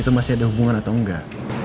itu masih ada hubungan atau enggak